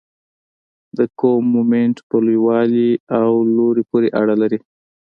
د قوې مومنت په لوی والي او لوري پورې اړه لري.